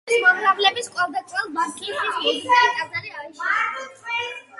მრევლის მომრავლების კვალდაკვალ კი ხის მოზრდილი ტაძარი აუშენებიათ.